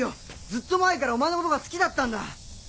ずっと前からお前のことが好きだったんだ！